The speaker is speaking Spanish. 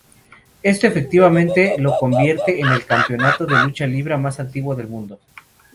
Esto efectivamente lo convierte en el campeonato de lucha libre más antiguo del mundo.